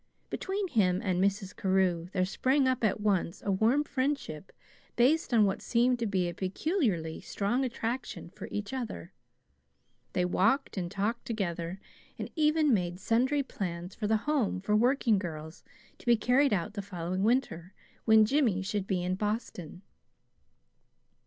Between him and Mrs. Carew there sprang up at once a warm friendship based on what seemed to be a peculiarly strong attraction for each other. They walked and talked together, and even made sundry plans for the Home for Working Girls, to be carried out the following winter when Jimmy should be in Boston.